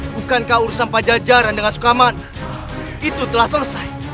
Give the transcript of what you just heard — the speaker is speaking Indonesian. bukankah urusan pajajaran dengan sukaman itu telah selesai